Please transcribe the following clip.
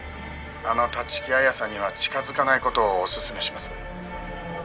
「あの立木彩さんには近づかない事をおすすめします」